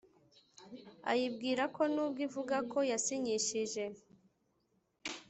ayibwira ko nubwo ivuga ko yasinyishije